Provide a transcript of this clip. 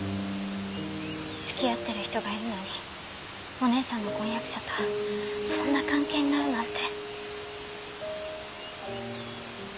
付き合ってる人がいるのにお姉さんの婚約者とそんな関係になるなんて。